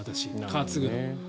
担ぐの。